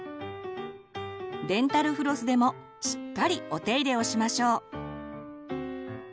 デンタルフロスでもしっかりお手入れをしましょう。